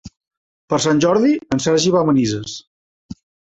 Per Sant Jordi en Sergi va a Manises.